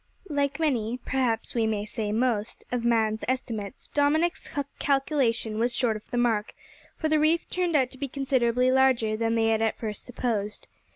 Like many, perhaps we may say most, of man's estimates, Dominick's calculation was short of the mark, for the reef turned out to be considerably larger than they had at first supposed.